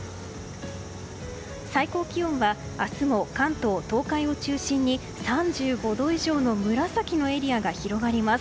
最高気温は、明日も関東・東海を中心に３５度以上の紫のエリアが広がります。